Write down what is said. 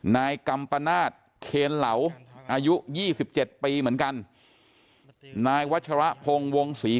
นายกำปะนาฏเครนเหลาอายุ๒๗ปีเหมือนกันนายวัชรพงศ์วงศ์ศรี